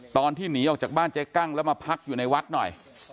ตอนที่หนีออกจากบ้านเจ๊กั้งแล้วมาพักอยู่ในวัดหน่อย